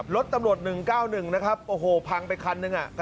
รถตำรวจ๑๙๑นะครับโอ้โหพังไปคันหนึ่ง